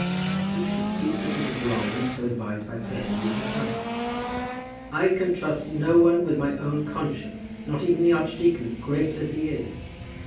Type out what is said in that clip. "You should cease to think it wrong when so advised by persons you can trust." "I can trust no one with my own conscience; not even the archdeacon, great as he is."